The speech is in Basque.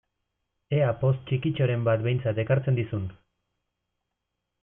Ea poz txikitxoren bat behintzat ekartzen dizun!